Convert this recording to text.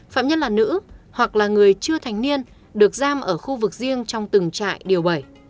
phạm nhân là nữ hoặc là người chưa thành niên được giam ở khu vực riêng trong từng trại điều bảy